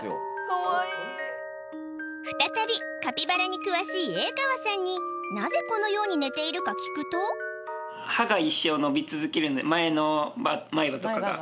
かわいい再びカピバラに詳しい永川さんになぜこのように寝ているか聞くと歯が伸びる？